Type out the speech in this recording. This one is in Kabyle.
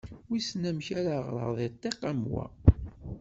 Wissen amek ara ɣreɣ di ṭṭiq am wa!